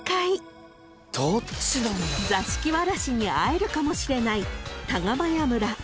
［座敷わらしに会えるかもしれないタガマヤ村］